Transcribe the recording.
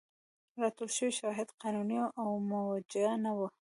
راټول شوي شواهد قانوني او موجه نه وو.